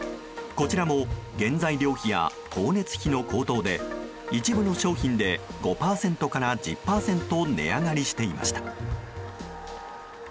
こちらも原材料費や光熱費の高騰で一部の商品で５％から１０％値上がりしていました。